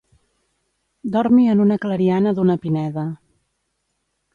Dormi en una clariana d'una pineda.